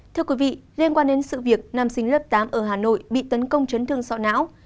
thưa quý vị liên quan đến sự việc nam sinh lớp tám ở hà nội bị tấn công chấn thương sọ não